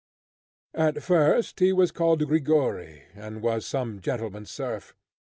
At first he was called only Grigory, and was some gentleman's serf.